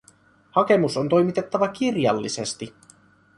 Hakemus on toimitettava kirjallisesti